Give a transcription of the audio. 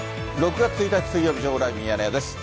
６月１日水曜日、情報ライブミヤネ屋です。